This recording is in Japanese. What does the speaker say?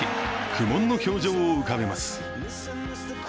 苦悶の表情を浮かべます。